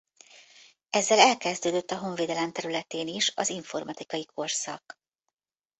Ezzel elkezdődött a honvédelem területén is az informatikai korszak.